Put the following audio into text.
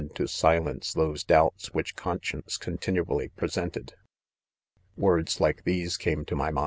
to silence those doubts which conscience continually present ed. " i Words like these came to my.